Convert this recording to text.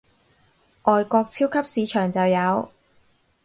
外國超級市場就有